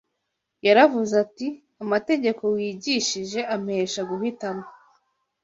Yaravuze ati: “Amategeko wigishije ampesha guhitamo